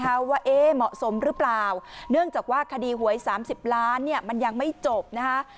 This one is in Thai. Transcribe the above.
เพราะว่าเอ๊ะเหมาะสมหรือเปล่าเนื่องจากว่าคดีหวยสามสิบล้านเนี่ยมันยังไม่จบนะคะ